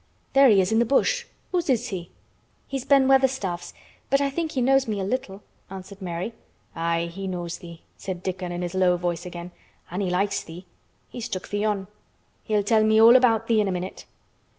There he is in the bush. Whose is he?" "He's Ben Weatherstaff's, but I think he knows me a little," answered Mary. "Aye, he knows thee," said Dickon in his low voice again. "An' he likes thee. He's took thee on. He'll tell me all about thee in a minute."